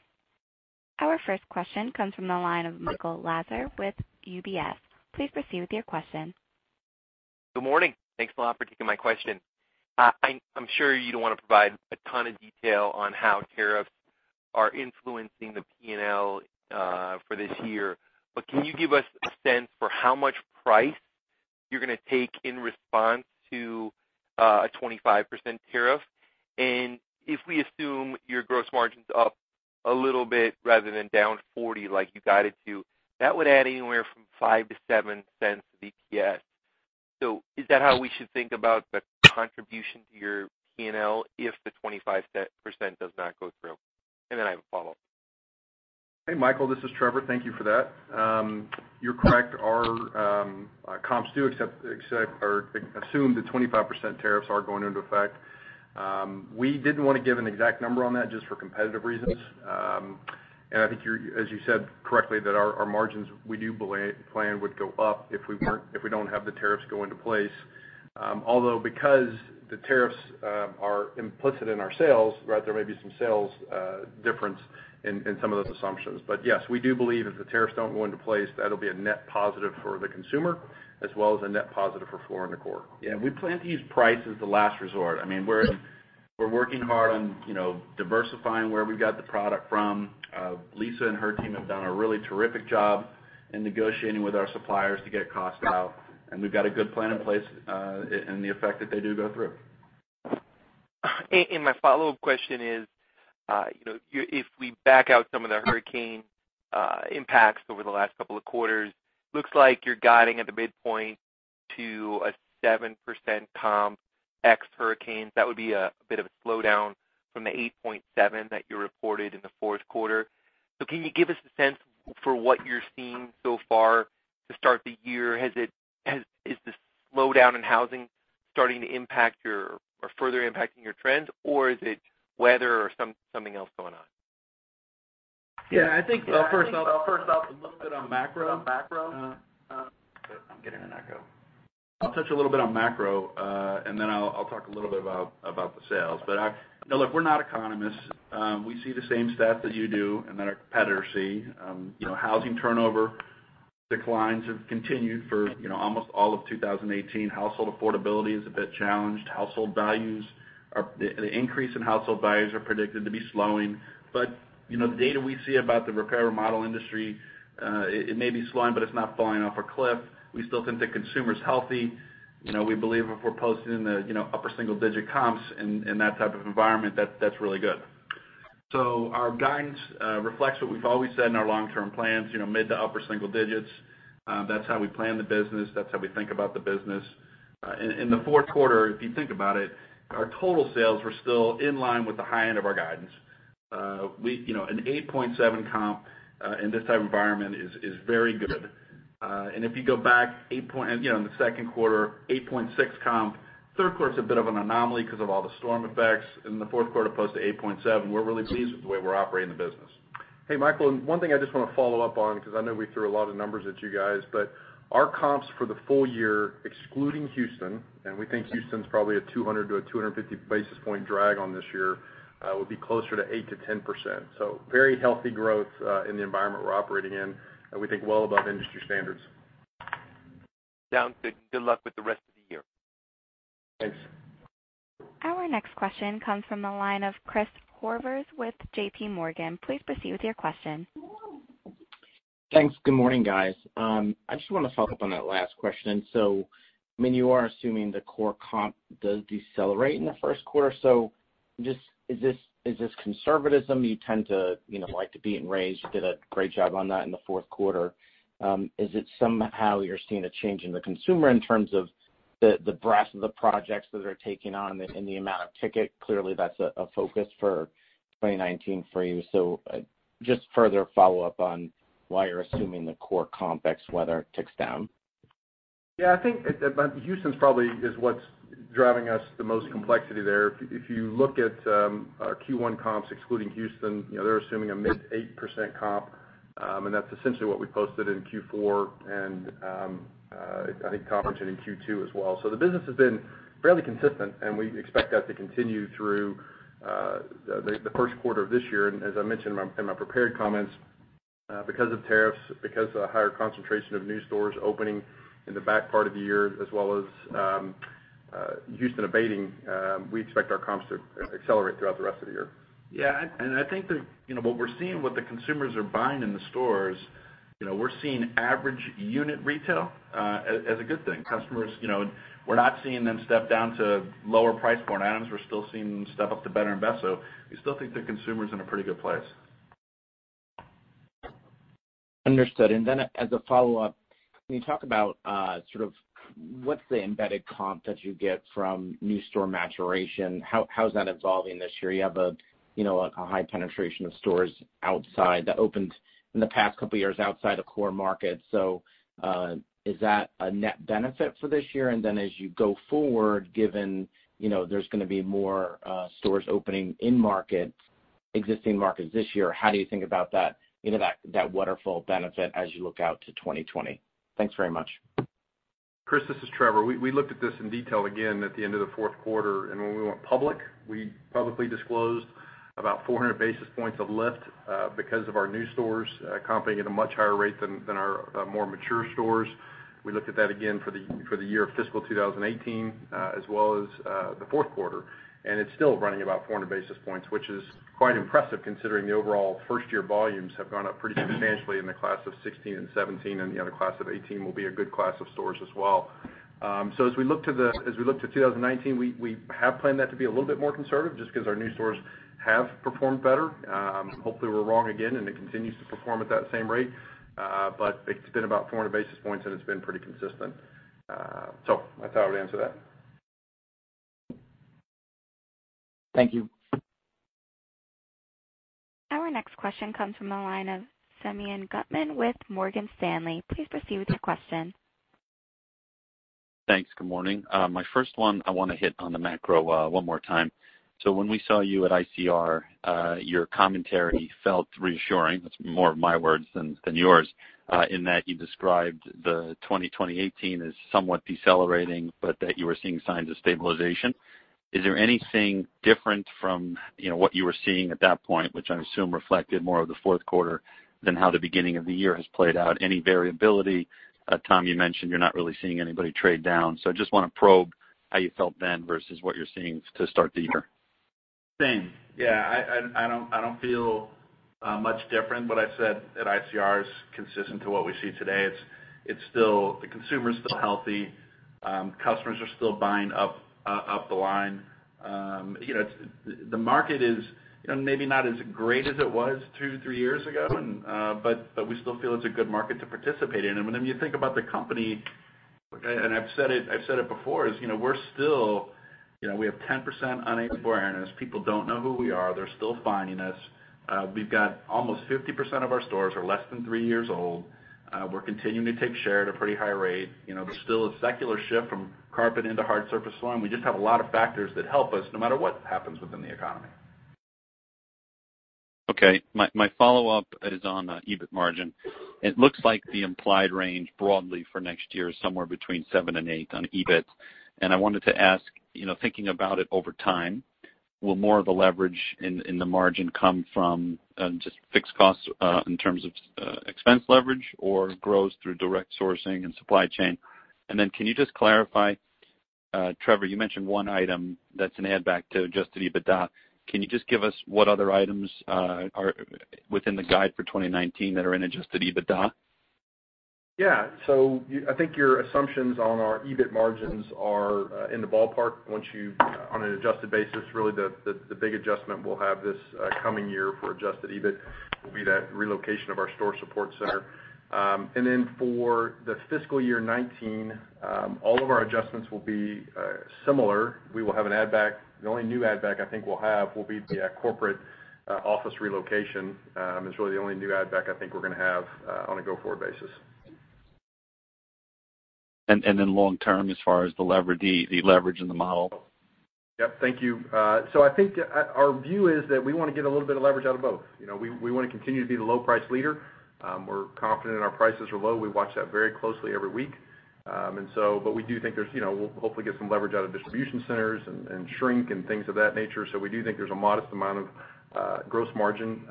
Our first question comes from the line of Michael Lasser with UBS. Please proceed with your question. Good morning. Thanks a lot for taking my question. I am sure you do not want to provide a ton of detail on how tariffs are influencing the P&L for this year, can you give us a sense for how much price you are going to take in response to a 25% tariff? If we assume your gross margin is up a little bit rather than down 40 like you guided to, that would add anywhere from $0.05-$0.07 EPS. Is that how we should think about the contribution to your P&L if the 25% does not go through? I have a follow-up. Hey, Michael, this is Trevor. Thank you for that. You are correct. Our comps do accept or assume the 25% tariffs are going into effect. We did not want to give an exact number on that just for competitive reasons. I think as you said correctly, that our margins, we do plan would go up if we do not have the tariffs go into place. Although because the tariffs are implicit in our sales, there may be some sales difference in some of those assumptions. Yes, we do believe if the tariffs do not go into place, that will be a net positive for the consumer as well as a net positive for Floor & Decor. Yeah, we plan to use price as the last resort. We're working hard on diversifying where we got the product from. Lisa and her team have done a really terrific job in negotiating with our suppliers to get cost out. We've got a good plan in place in the effect that they do go through. My follow-up question is, if we back out some of the hurricane impacts over the last couple of quarters, looks like you're guiding at the midpoint to a 7% comp ex-hurricanes. That would be a bit of a slowdown from the 8.7% that you reported in the fourth quarter. Can you give us a sense for what you're seeing so far to start the year? Is the slowdown in housing starting to further impact your trends, or is it weather or something else going on? Yeah. I think, first off, a little bit on macro. I'm getting an echo. I'll touch a little bit on macro, then I'll talk a little bit about the sales. Look, we're not economists. We see the same stats that you do and that our competitors see. Housing turnover declines have continued for almost all of 2018. Household affordability is a bit challenged. The increase in household values are predicted to be slowing. The data we see about the repair model industry, it may be slowing, but it's not falling off a cliff. We still think the consumer's healthy. We believe if we're posting the upper single-digit comps in that type of environment, that's really good. Our guidance reflects what we've always said in our long-term plans, mid to upper single digits. That's how we plan the business. That's how we think about the business. In the fourth quarter, if you think about it, our total sales were still in line with the high end of our guidance. An 8.7 comp in this type of environment is very good. If you go back in the second quarter, 8.6 comp. Third quarter's a bit of an anomaly because of all the storm effects, and the fourth quarter posted 8.7. We're really pleased with the way we're operating the business. Hey, Michael, one thing I just want to follow up on, because I know we threw a lot of numbers at you guys, but our comps for the full year, excluding Houston, and we think Houston's probably a 200 to a 250 basis point drag on this year, will be closer to 8% to 10%. Very healthy growth, in the environment we're operating in, and we think well above industry standards. Sounds good. Good luck with the rest of the year. Thanks. Our next question comes from the line of Chris Horvers with JPMorgan. Please proceed with your question. Thanks. Good morning, guys. I just want to follow up on that last question. You are assuming the core comp does decelerate in the first quarter. Is this conservatism? You tend to like to be in range. You did a great job on that in the fourth quarter. Is it somehow you're seeing a change in the consumer in terms of the breadth of the projects that they're taking on and the amount of ticket? Clearly that's a focus for 2019 for you. Just further follow-up on why you're assuming the core comp, ex-weather ticks down. Yeah, I think Houston's probably is what's driving us the most complexity there. If you look at our Q1 comps excluding Houston, they're assuming a mid 8% comp, and that's essentially what we posted in Q4 and I think [inaudible] Q2 as well. The business has been fairly consistent and we expect that to continue through the first quarter of this year. As I mentioned in my prepared comments, because of tariffs, because of the higher concentration of new stores opening in the back part of the year as well as Houston abating, we expect our comps to accelerate throughout the rest of the year. Yeah, I think that what we're seeing, what the consumers are buying in the stores, we're seeing average unit retail as a good thing. Customers, we're not seeing them step down to lower price point items. We're still seeing them step up to better and best. We still think the consumer's in a pretty good place. Understood. As a follow-up, can you talk about sort of what's the embedded comp that you get from new store maturation? How's that evolving this year? You have a high penetration of stores outside that opened in the past couple of years outside of core markets. Is that a net benefit for this year? As you go forward, given there's going to be more stores opening in existing markets this year, how do you think about that waterfall benefit as you look out to 2020? Thanks very much. Chris, this is Trevor. We looked at this in detail again at the end of the fourth quarter. When we went public, we publicly disclosed about 400 basis points of lift because of our new stores comping at a much higher rate than our more mature stores. We looked at that again for the year of fiscal 2018, as well as the fourth quarter. It's still running about 400 basis points, which is quite impressive considering the overall first-year volumes have gone up pretty substantially in the class of 2016 and 2017, and the class of 2018 will be a good class of stores as well. As we look to 2019, we have planned that to be a little bit more conservative just because our new stores have performed better. Hopefully we're wrong again, and it continues to perform at that same rate. It's been about 400 basis points and it's been pretty consistent. That's how I would answer that. Thank you. Our next question comes from the line of Simeon Gutman with Morgan Stanley. Please proceed with your question. Thanks. Good morning. My first one, I want to hit on the macro one more time. When we saw you at ICR, your commentary felt reassuring. That's more of my words than yours, in that you described the 2018 as somewhat decelerating, but that you were seeing signs of stabilization. Is there anything different from what you were seeing at that point, which I assume reflected more of the fourth quarter than how the beginning of the year has played out? Any variability? Tom, you mentioned you're not really seeing anybody trade down. I just want to probe how you felt then versus what you're seeing to start the year. Same. Yeah, I don't feel much different. What I said at ICR is consistent to what we see today. The consumer's still healthy. Customers are still buying up the line. The market is maybe not as great as it was two to three years ago, but we still feel it's a good market to participate in. When you think about the company, and I've said it before, is we have 10% unaided brand awareness. People don't know who we are. They're still finding us. We've got almost 50% of our stores are less than three years old. We're continuing to take share at a pretty high rate. There's still a secular shift from carpet into hard surface flooring. We just have a lot of factors that help us no matter what happens within the economy. Okay. My follow-up is on the EBIT margin. It looks like the implied range broadly for next year is somewhere between seven and eight on EBIT. I wanted to ask, thinking about it over time, will more of the leverage in the margin come from just fixed costs in terms of expense leverage or growth through direct sourcing and supply chain? Then can you just clarify, Trevor, you mentioned one item that's an add back to adjusted EBITDA. Can you just give us what other items are within the guide for 2019 that are in adjusted EBITDA? Yeah. I think your assumptions on our EBIT margins are in the ballpark. On an adjusted basis, really the big adjustment we will have this coming year for adjusted EBIT will be that relocation of our store support center. For the fiscal year 2019, all of our adjustments will be similar. The only new add back I think we will have will be the corporate office relocation. It is really the only new add back I think we are going to have on a go-forward basis. Long term, as far as the leverage in the model? Yep. Thank you. I think our view is that we want to get a little bit of leverage out of both. We want to continue to be the low price leader. We are confident our prices are low. We watch that very closely every week. We do think we will hopefully get some leverage out of distribution centers and shrink and things of that nature. We do think there is a modest amount of gross margin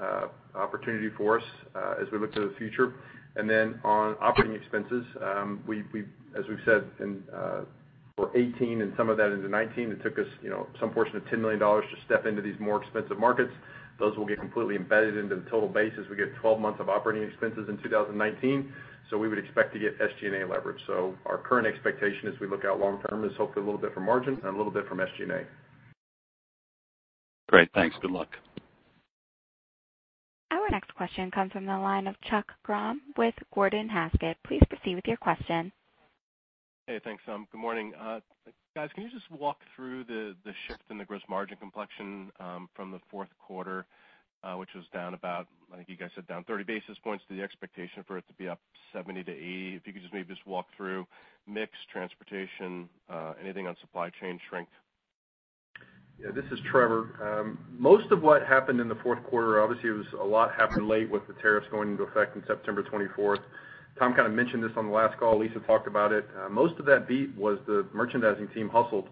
opportunity for us as we look to the future. On operating expenses, as we have said for 2018 and some of that into 2019, it took us some portion of $10 million to step into these more expensive markets. Those will get completely embedded into the total base as we get 12 months of operating expenses in 2019. We would expect to get SG&A leverage. Our current expectation as we look out long term is hopefully a little bit from margin and a little bit from SG&A. Great. Thanks. Good luck. Our next question comes from the line of Chuck Grom with Gordon Haskett. Please proceed with your question. Hey, thanks. Good morning. Guys, can you just walk through the shift in the gross margin complexion from the fourth quarter, which was down about, I think you guys said down 30 basis points to the expectation for it to be up 70-80 basis points? If you could just maybe just walk through mix, transportation, anything on supply chain shrink. Yeah, this is Trevor. Most of what happened in the fourth quarter, obviously it was a lot happened late with the tariffs going into effect in September 24th. Tom kind of mentioned this on the last call. Lisa talked about it. Most of that beat was the merchandising team hustled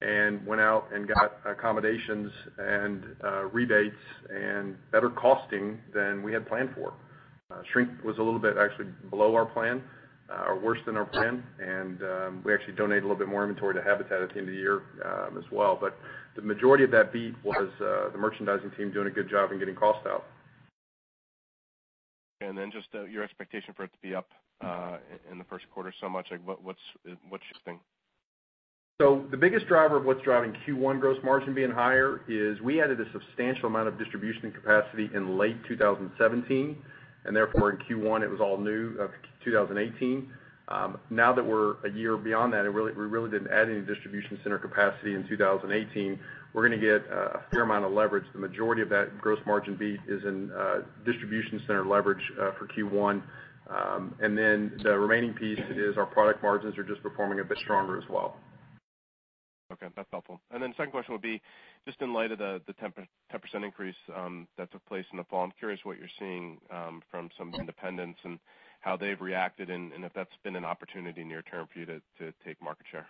and went out and got accommodations and rebates and better costing than we had planned for. Shrink was a little bit actually below our plan, or worse than our plan. We actually donated a little bit more inventory to Habitat at the end of the year as well. The majority of that beat was the merchandising team doing a good job and getting cost out. Just your expectation for it to be up in the first quarter so much. What's your thinking? The biggest driver of what's driving Q1 gross margin being higher is we added a substantial amount of distribution capacity in late 2017, therefore in Q1 it was all new of 2018. Now that we're a year beyond that and we really didn't add any distribution center capacity in 2018, we're going to get a fair amount of leverage. The majority of that gross margin beat is in distribution center leverage for Q1. The remaining piece is our product margins are just performing a bit stronger as well. Okay. That's helpful. Second question would be, just in light of the 10% increase that took place in the fall, I'm curious what you're seeing from some independents and how they've reacted and if that's been an opportunity near term for you to take market share.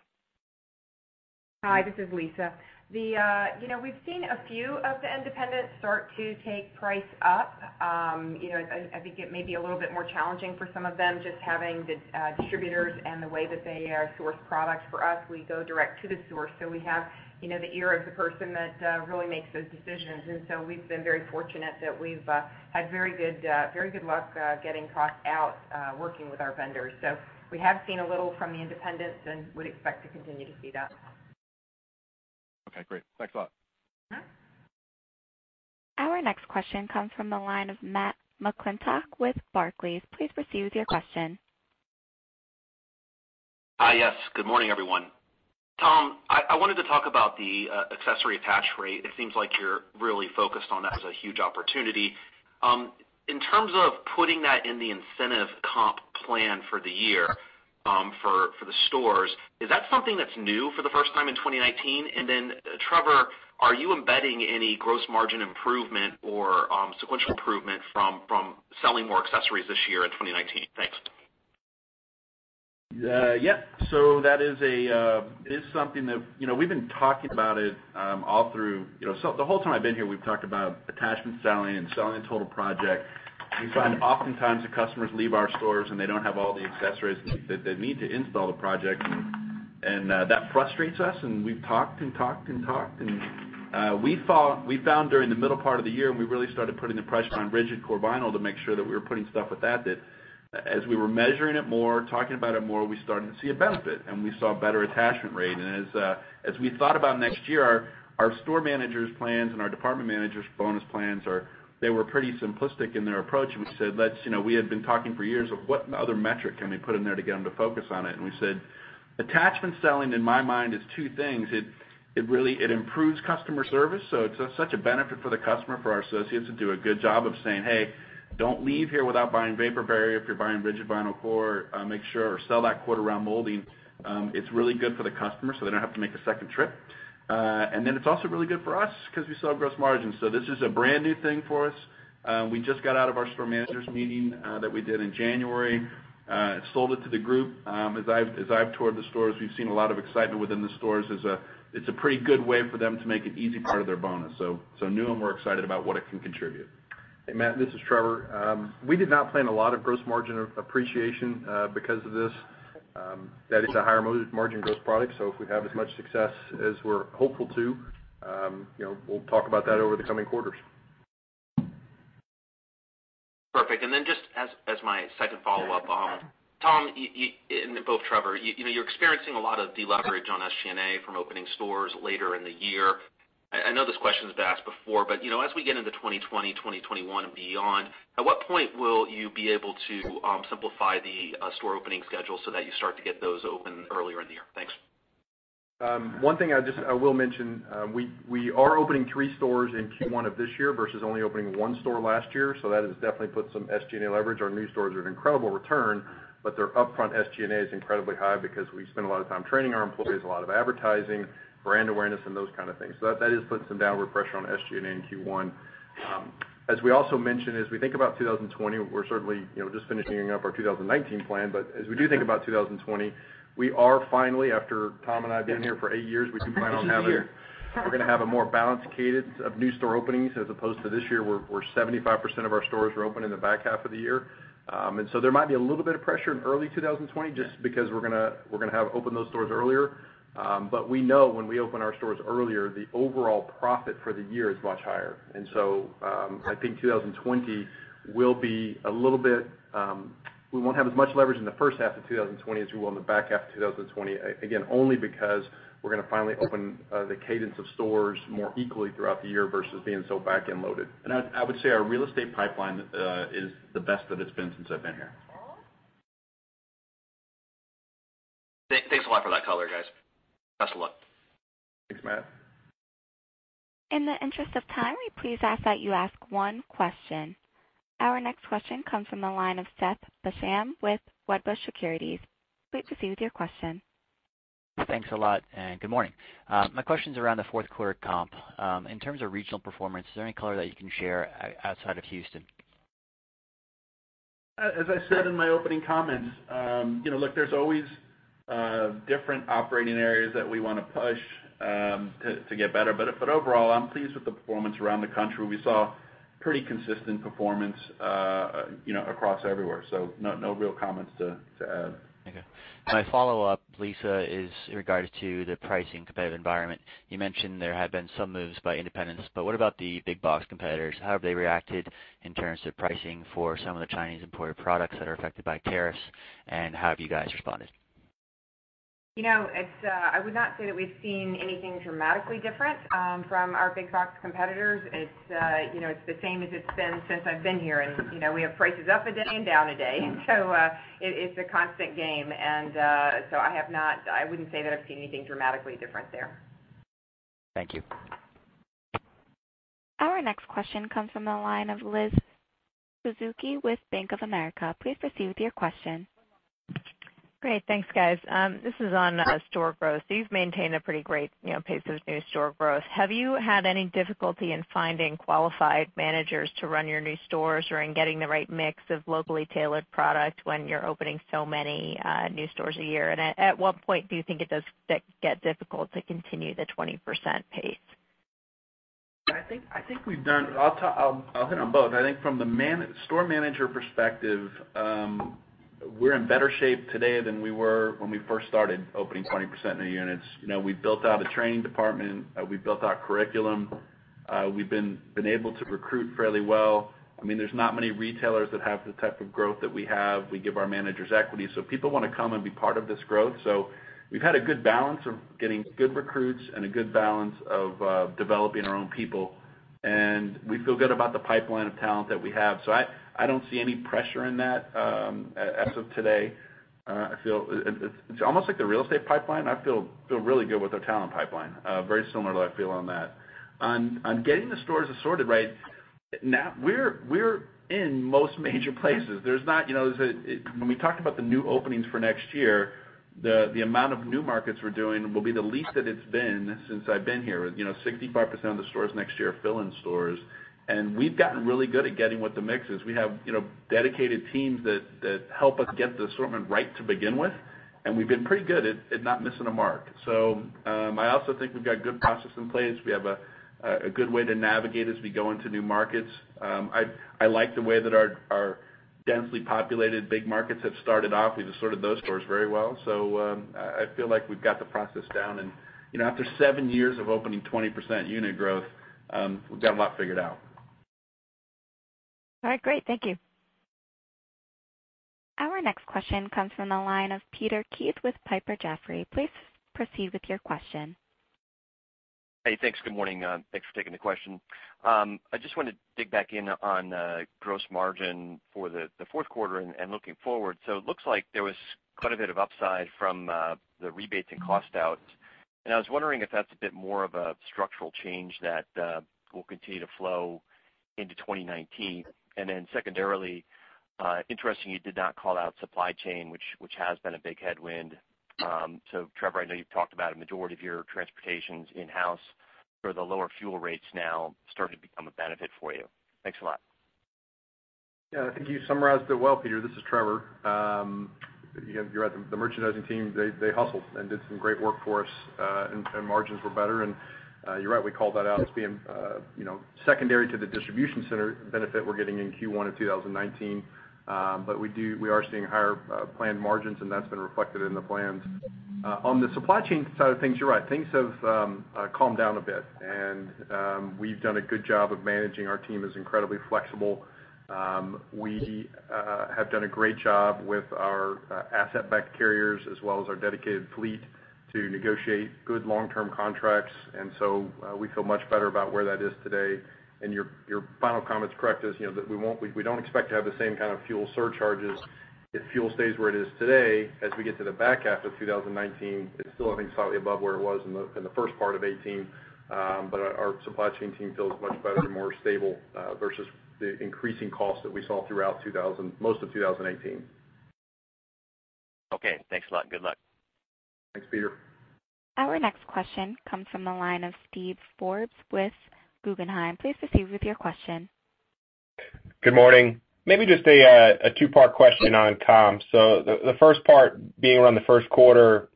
Hi, this is Lisa. We've seen a few of the independents start to take price up. I think it may be a little bit more challenging for some of them just having the distributors and the way that they source products. For us, we go direct to the source. We have the ear of the person that really makes those decisions. We've been very fortunate that we've had very good luck getting cost out, working with our vendors. We have seen a little from the independents and would expect to continue to see that. Okay, great. Thanks a lot. Our next question comes from the line of Matt McClintock with Barclays. Please proceed with your question. Hi, yes. Good morning, everyone. Tom, I wanted to talk about the accessory attach rate. It seems like you're really focused on that as a huge opportunity. In terms of putting that in the incentive comp plan for the year for the stores, is that something that's new for the first time in 2019? And then Trevor, are you embedding any gross margin improvement or sequential improvement from selling more accessories this year in 2019? Thanks. Yeah. That is something that we've been talking about it. The whole time I've been here, we've talked about attachment selling and selling the total project. We find oftentimes the customers leave our stores, and they don't have all the accessories that they need to install the project, and that frustrates us, and we've talked and talked and talked. And we found during the middle part of the year, when we really started putting the pressure on rigid core vinyl to make sure that we were putting stuff with that as we were measuring it more, talking about it more, we started to see a benefit, and we saw a better attachment rate. As we thought about next year, our store managers' plans and our department managers' bonus plans, they were pretty simplistic in their approach. We said, we had been talking for years of what other metric can we put in there to get them to focus on it? We said, attachment selling in my mind is two things. It improves customer service. It's such a benefit for the customer, for our associates to do a good job of saying, "Hey, don't leave here without buying vapor barrier if you're buying rigid core vinyl. Make sure or sell that quarter round molding." It's really good for the customer, so they don't have to make a second trip. It's also really good for us because we sell gross margin. This is a brand new thing for us. We just got out of our store managers meeting that we did in January, sold it to the group. As I've toured the stores, we've seen a lot of excitement within the stores. It's a pretty good way for them to make an easy part of their bonus. New, and we're excited about what it can contribute. Hey, Matt, this is Trevor. We did not plan a lot of gross margin appreciation because of this. That is a higher margin gross product. If we have as much success as we're hopeful to, we'll talk about that over the coming quarters. Perfect. Then just as my second follow-up, Tom, and both Trevor, you're experiencing a lot of de-leverage on SG&A from opening stores later in the year. I know this question has been asked before, but as we get into 2020, 2021 and beyond, at what point will you be able to simplify the store opening schedule so that you start to get those open earlier in the year? Thanks. One thing I will mention, we are opening three stores in Q1 of this year versus only opening one store last year. That has definitely put some SG&A leverage. Our new stores are an incredible return, but their upfront SG&A is incredibly high because we spend a lot of time training our employees, a lot of advertising, brand awareness, and those kind of things. That has put some downward pressure on SG&A in Q1. As we also mentioned, as we think about 2020, we're certainly just finishing up our 2019 plan. As we do think about 2020, we are finally, after Tom and I have been here for eight years, we can finally have a- We're going to have a more balanced cadence of new store openings as opposed to this year, where 75% of our stores were open in the back half of the year. There might be a little bit of pressure in early 2020 just because we're going to open those stores earlier. We know when we open our stores earlier, the overall profit for the year is much higher. I think 2020, we won't have as much leverage in the first half of 2020 as we will in the back half of 2020, again, only because we're going to finally open the cadence of stores more equally throughout the year versus being so back-end loaded. I would say our real estate pipeline is the best that it's been since I've been here. Thanks a lot for that color, guys. Best of luck. Thanks, Matt. In the interest of time, we please ask that you ask one question. Our next question comes from the line of Seth Basham with Wedbush Securities. Please proceed with your question. Thanks a lot, good morning. My question's around the fourth quarter comp. In terms of regional performance, is there any color that you can share outside of Houston? As I said in my opening comments, look, there's always different operating areas that we want to push to get better. Overall, I'm pleased with the performance around the country. We saw pretty consistent performance across everywhere. No real comments to add. Okay. My follow-up, Lisa, is in regards to the pricing competitive environment. You mentioned there have been some moves by independents, What about the big box competitors? How have they reacted in terms of pricing for some of the Chinese imported products that are affected by tariffs, How have you guys responded? I would not say that we've seen anything dramatically different from our big box competitors. It's the same as it's been since I've been here. We have prices up a day and down a day, it's a constant game. I wouldn't say that I've seen anything dramatically different there. Thank you. Our next question comes from the line of Elizabeth Suzuki with Bank of America. Please proceed with your question. Great. Thanks, guys. This is on store growth. You've maintained a pretty great pace of new store growth. Have you had any difficulty in finding qualified managers to run your new stores or in getting the right mix of locally tailored product when you're opening so many new stores a year? At what point do you think it does get difficult to continue the 20% pace? I'll hit on both. I think from the store manager perspective, we're in better shape today than we were when we first started opening 20% new units. We built out a training department. We built our curriculum. We've been able to recruit fairly well. There's not many retailers that have the type of growth that we have. We give our managers equity, so people want to come and be part of this growth. We've had a good balance of getting good recruits and a good balance of developing our own people. We feel good about the pipeline of talent that we have. I don't see any pressure in that as of today. It's almost like the real estate pipeline. I feel really good with our talent pipeline. Very similar to how I feel on that. On getting the stores assorted right, we're in most major places. When we talked about the new openings for next year, the amount of new markets we're doing will be the least that it's been since I've been here. 65% of the stores next year are fill-in stores, we've gotten really good at getting what the mix is. We have dedicated teams that help us get the assortment right to begin with, we've been pretty good at not missing a mark. I also think we've got good processes in place. We have a good way to navigate as we go into new markets. I like the way that our densely populated big markets have started off. We've assorted those stores very well. I feel like we've got the process down. After seven years of opening 20% unit growth, we've got a lot figured out. All right, great. Thank you. Our next question comes from the line of Peter Keith with Piper Jaffray. Please proceed with your question. Hey, thanks. Good morning. Thanks for taking the question. I just wanted to dig back in on gross margin for the fourth quarter and looking forward. It looks like there was quite a bit of upside from the rebates and cost outs. I was wondering if that's a bit more of a structural change that will continue to flow into 2019. Secondarily, interesting you did not call out supply chain, which has been a big headwind. Trevor, I know you've talked about a majority of your transportation's in-house. Are the lower fuel rates now starting to become a benefit for you? Thanks a lot. I think you summarized it well, Peter. This is Trevor. You're right. The merchandising team, they hustled and did some great work for us, margins were better. You're right, we called that out as being secondary to the distribution center benefit we're getting in Q1 of 2019. We are seeing higher planned margins, that's been reflected in the plans. On the supply chain side of things, you're right. Things have calmed down a bit, we've done a good job of managing. Our team is incredibly flexible. We have done a great job with our asset-backed carriers as well as our dedicated fleet to negotiate good long-term contracts. We feel much better about where that is today. Your final comment is correct, is that we don't expect to have the same kind of fuel surcharges if fuel stays where it is today. As we get to the back half of 2019, it's still, I think, slightly above where it was in the first part of 2018. Our supply chain team feels much better, more stable versus the increasing cost that we saw throughout most of 2018. Okay, thanks a lot. Good luck. Thanks, Peter. Our next question comes from the line of Steven Forbes with Guggenheim. Please proceed with your question. Good morning. Maybe just a two-part question on Tom. The first part being around the first quarter,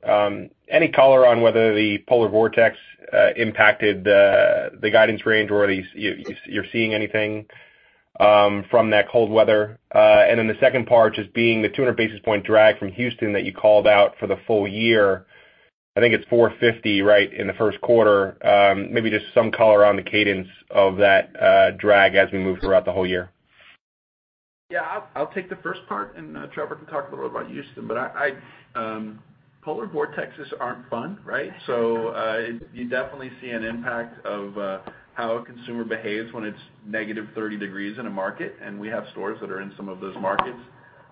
any color on whether the polar vortex impacted the guidance range or you're seeing anything from that cold weather? The second part just being the 200 basis point drag from Houston that you called out for the full year. I think it's 450, right, in the first quarter. Maybe just some color on the cadence of that drag as we move throughout the whole year. I'll take the first part and Trevor can talk a little about Houston. Polar vortexes aren't fun, right. You definitely see an impact of how a consumer behaves when it's -30 degrees in a market, and we have stores that are in some of those markets.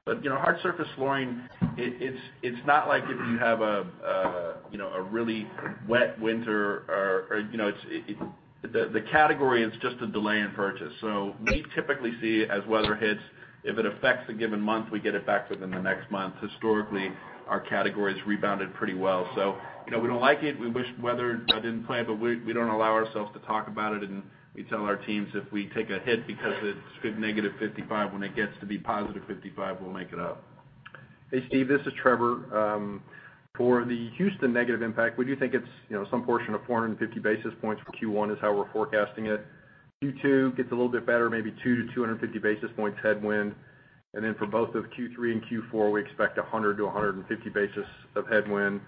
Hard surface flooring, it's not like if you have a really wet winter or the category is just a delay in purchase. We typically see as weather hits, if it affects a given month, we get it back within the next month. Historically, our category has rebounded pretty well. We don't like it. We wish weather didn't play, but we don't allow ourselves to talk about it, and we tell our teams if we take a hit because it's been -55, when it gets to be positive 55, we'll make it up. Hey, Steve, this is Trevor. For the Houston negative impact, we do think it's some portion of 450 basis points for Q1 is how we're forecasting it. Q2 gets a little bit better, maybe 2 to 250 basis points headwind. For both of Q3 and Q4, we expect 100 to 150 basis points of headwind.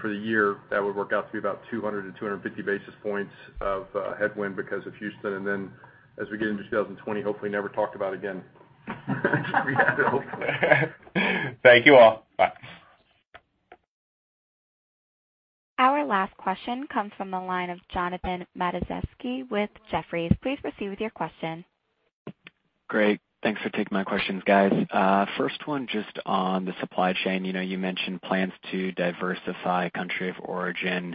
For the year, that would work out to be about 200 to 250 basis points of headwind because of Houston. As we get into 2020, hopefully never talk about again. Thank you all. Bye. Our last question comes from the line of Jonathan Matuszewski with Jefferies. Please proceed with your question. Great. Thanks for taking my questions, guys. First one, just on the supply chain. You mentioned plans to diversify country of origin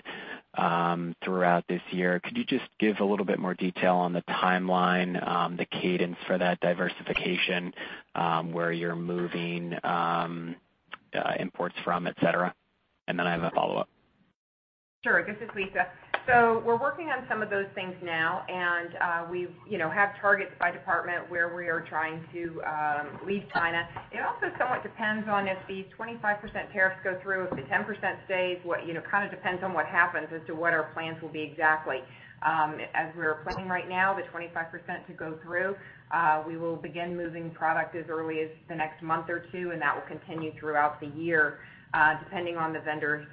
throughout this year. Could you just give a little bit more detail on the timeline, the cadence for that diversification, where you're moving imports from, et cetera? I have a follow-up. Sure. This is Lisa. We're working on some of those things now, and we have targets by department where we are trying to leave China. It also somewhat depends on if the 25% tariffs go through, if the 10% stays, kind of depends on what happens as to what our plans will be exactly. As we are planning right now, the 25% to go through, we will begin moving product as early as the next month or two, and that will continue throughout the year, depending on the vendor's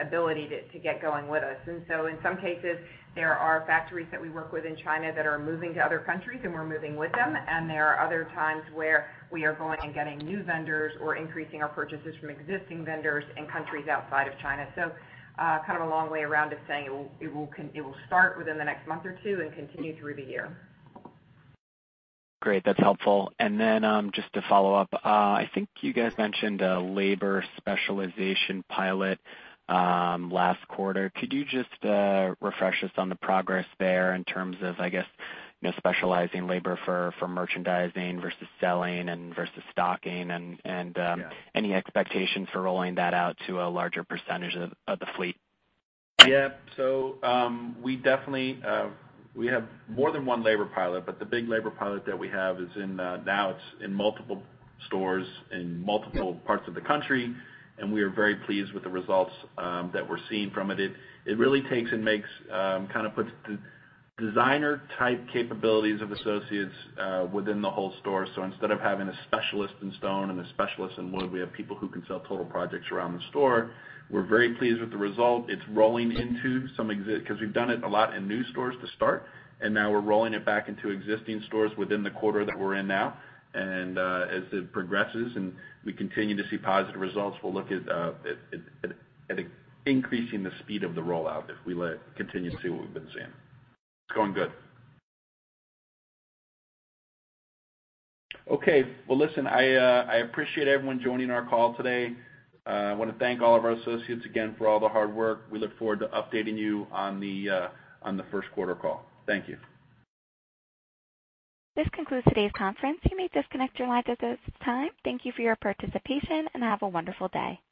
ability to get going with us. In some cases, there are factories that we work with in China that are moving to other countries, and we're moving with them, and there are other times where we are going and getting new vendors or increasing our purchases from existing vendors in countries outside of China. Kind of a long way around of saying it will start within the next month or two and continue through the year. Great. That's helpful. Just to follow up, I think you guys mentioned a labor specialization pilot last quarter. Could you just refresh us on the progress there in terms of, I guess, specializing labor for merchandising versus selling and versus stocking and- Yeah any expectation for rolling that out to a larger percentage of the fleet? Yeah. We have more than one labor pilot, the big labor pilot that we have now, it's in multiple stores in multiple parts of the country, we are very pleased with the results that we're seeing from it. It really takes and makes, kind of puts designer-type capabilities of associates within the whole store. Instead of having a specialist in stone and a specialist in wood, we have people who can sell total projects around the store. We're very pleased with the result. It's rolling into some existing, because we've done it a lot in new stores to start, and now we're rolling it back into existing stores within the quarter that we're in now. As it progresses and we continue to see positive results, we'll look at increasing the speed of the rollout if we continue to see what we've been seeing. It's going good. Okay. Well, listen, I appreciate everyone joining our call today. I want to thank all of our associates again for all the hard work. We look forward to updating you on the first quarter call. Thank you. This concludes today's conference. You may disconnect your lines at this time. Thank you for your participation, and have a wonderful day.